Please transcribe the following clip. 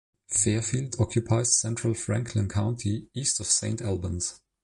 Fairfield occupies central Franklin County, east of Saint Albans.